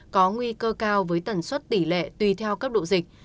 có nguy cơ cao với tần suất tỷ lệ tùy theo cấp độ dịch